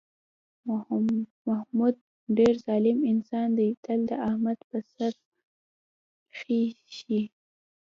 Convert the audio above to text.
محمود ډېر ظالم انسان دی، تل د احمد په سر خېژي.